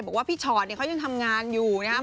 บอกว่าพี่ชอตเขายังทำงานอยู่นะครับ